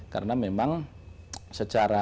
karena memang secara